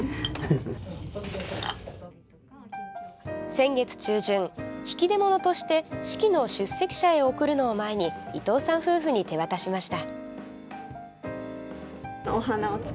先月中旬、引き出物として式の出席者へ送るのを前に伊藤さん夫婦に手渡しました。